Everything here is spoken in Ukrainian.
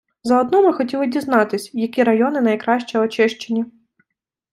Заодно ми хотіли дізнатись, які райони найкраще очищені.